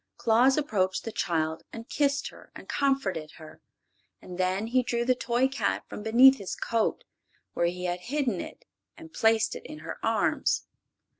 Claus approached the child and kissed her and comforted her, and then he drew the toy cat from beneath his coat, where he had hidden it, and placed it in her arms.